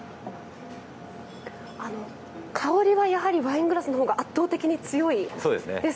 あの香りはやはりワイングラスの方が圧倒的に強いですね。